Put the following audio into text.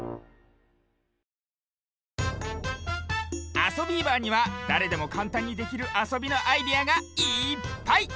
「あそビーバー」にはだれでもかんたんにできるあそびのアイデアがいっぱい！